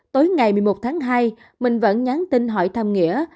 tối ngày một mươi một tháng hai mình vẫn nhắn tin hỏi thăm nghĩa